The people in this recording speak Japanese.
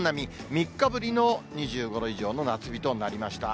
３日ぶりの２５度以上の夏日となりました。